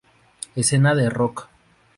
Escena de rock.